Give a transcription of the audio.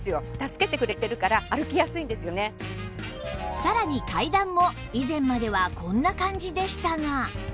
さらに階段も以前まではこんな感じでしたが